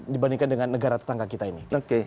dibandingkan dengan negara tetangga kita ini